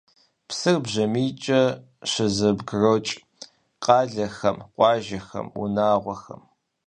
Псыр бжьамийкӀэ щызэбгрокӀ къалэхэм, къуажэхэм, унагъуэхэм.